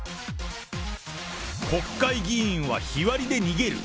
国会議員は日割りで逃げる。